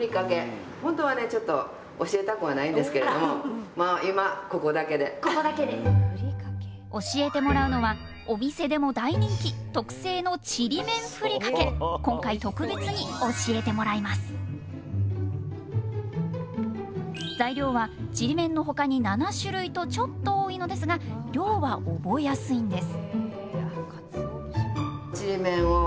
さあ続いては教えてもらうのは今回材料はちりめんの他に７種類とちょっと多いのですが量は覚えやすいんです！